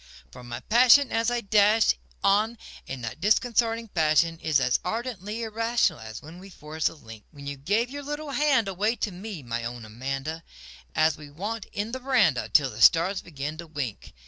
For my passion as I dash on in that disconcerting fashion Is as ardently irrational as when we forged the link When you gave your little hand away to me, my own Amanda An we sat 'n the veranda till the stars began to wink.